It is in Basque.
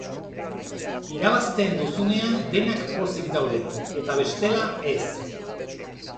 Irabazten duzunean denak pozik daude, eta bestela, ez.